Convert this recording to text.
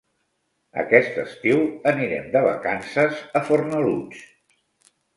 Aquest estiu anirem de vacances a Fornalutx.